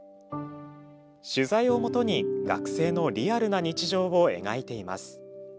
取材を基に学生のリアルな日常を描いています。